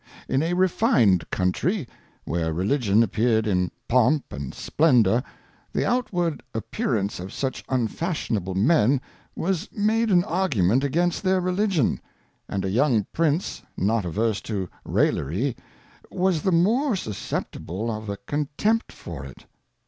In a refined Country, where Religion appeared in Pomp and Splendor, the outward appearance of such unfashionable Men was made an Argument against their Religion ; and a young Prince not averse to rallery, was the more susceptible of a contempt for it.